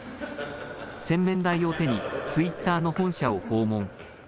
洗面台を手にツイッターの本社を訪問。